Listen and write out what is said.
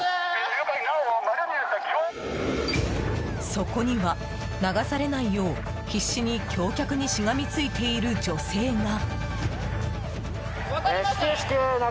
そこには、流されないよう必死に橋脚にしがみついている女性が。